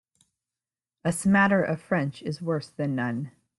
A smatter of French is worse than none.